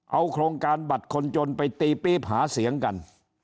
เอาโครงการบัตรคนจนไปตีปี๊บหาเสียงกัน